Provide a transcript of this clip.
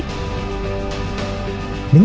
dengan membuat sampah yang lebih efektif